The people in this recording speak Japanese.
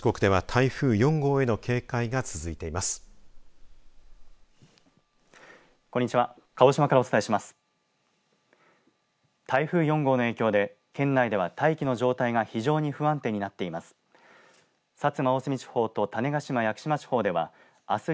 台風４号の影響で県内では大気の状態が非常に不安定になっています。